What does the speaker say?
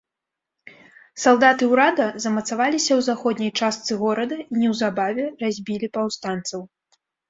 Салдаты ўрада замацаваліся ў заходняй частцы горада і неўзабаве разбілі паўстанцаў.